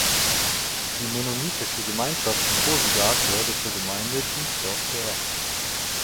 Die mennonitische Gemeinschaft von Rosengart gehörte zur Gemeinde Thiensdorf-Pr.